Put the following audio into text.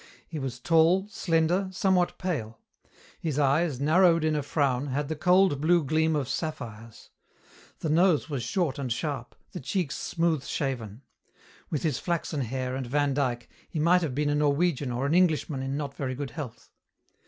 He was tall, slender, somewhat pale. His eyes, narrowed in a frown, had the cold blue gleam of sapphires. The nose was short and sharp, the cheeks smooth shaven. With his flaxen hair and Vandyke he might have been a Norwegian or an Englishman in not very good health.